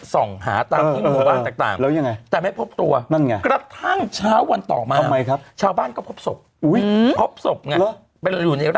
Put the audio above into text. ส่งหาตัวมาก่อนถุ้ไม่พบตัวกระทั่งเช้าวันต่อง้ำมาครับเหมือนกับหลักสองโชคพบสุขเมื่อถูกอยู่ใน